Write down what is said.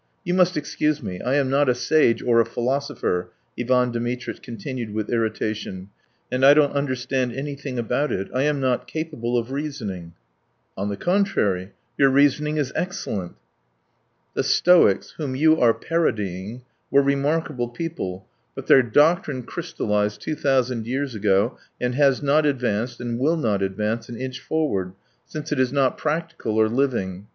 You must excuse me, I am not a sage or a philosopher," Ivan Dmitritch continued with irritation, "and I don't understand anything about it. I am not capable of reasoning." "On the contrary, your reasoning is excellent." "The Stoics, whom you are parodying, were remarkable people, but their doctrine crystallized two thousand years ago and has not advanced, and will not advance, an inch forward, since it is not practical or living.